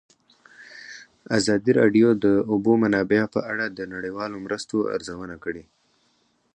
ازادي راډیو د د اوبو منابع په اړه د نړیوالو مرستو ارزونه کړې.